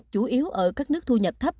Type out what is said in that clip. chủ yếu ở các nước thu nhập